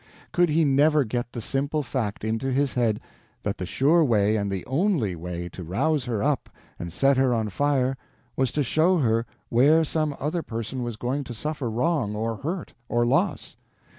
Could he never get the simple fact into his head that the sure way and the only way to rouse her up and set her on fire was to show her where some other person was going to suffer wrong or hurt or loss?